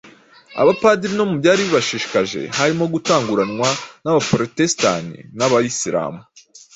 Abapadiri mu byari bibashishikaje harimo gutanguranwa n'Abaporotestanti n'Abayisilamu